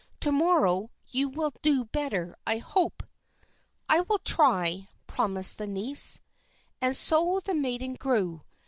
To morrow you will do better, I hope." "I will try," promised the niece. And so the maiden grew.